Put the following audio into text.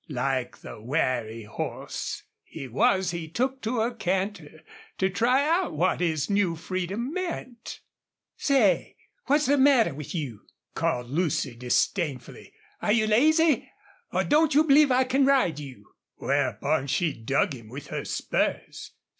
Like the wary horse he was he took to a canter, to try out what his new freedom meant. "Say, what's the matter with you?" called Lucy, disdainfully. "Are you lazy? Or don't you believe I can ride you?" Whereupon she dug him with her spurs.